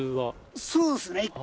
そうですね。